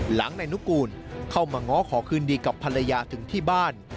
หลังนายนุกูลเข้ามาง้อขอคืนดีกับภรรยาถึงที่บ้าน